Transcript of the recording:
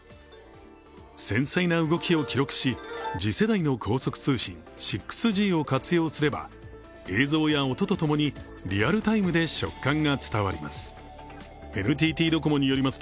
繊細な動きを記録し次世代の高速通信６Ｇを活用すれば映像や音とともにリアルタイムで触感が伝わります。